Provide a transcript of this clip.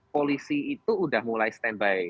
polisi itu sudah mulai standby